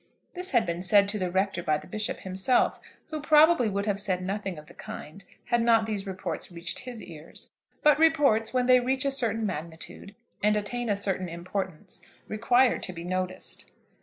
This had been said to the Rector by the Bishop himself, who probably would have said nothing of the kind had not these reports reached his ears. But reports, when they reach a certain magnitude, and attain a certain importance, require to be noticed.